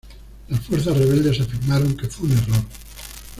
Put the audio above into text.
Las fuerzas rebeldes afirmaron que fue un error.